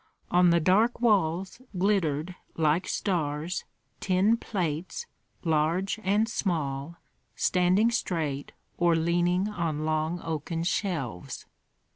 On the dark walls glittered, like stars, tin plates, large and small, standing straight or leaning on long oaken shelves.